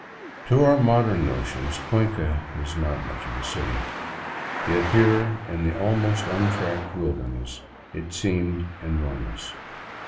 To our modern notions Cuenca is not much of a city; yet here in the almost untracked wilderness it seemed enormous.